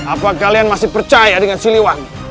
apa kalian masih percaya dengan siliwan